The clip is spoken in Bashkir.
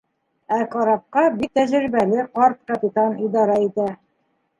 Ә карапҡа бик тәжрибәле ҡарт капитан идара итә.